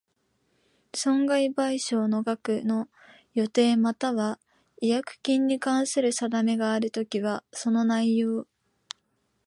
損害賠償額の予定又は違約金に関する定めがあるときは、その内容